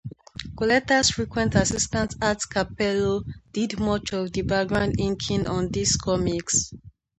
Colletta's frequent assistant Art Cappello did much of the background inking on these comics.